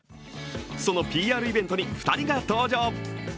そのＰＲイベントに２人が登場。